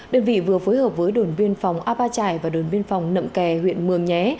đơn vị vừa phối hợp với đồn biên phòng a ba trải và đồn biên phòng nậm kè huyện mường nhé